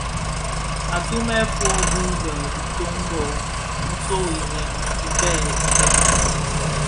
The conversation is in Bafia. Atumèn fo bum be itöň bö sug ireňi beken bèn.